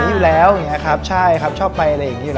อยู่แล้วชอบไป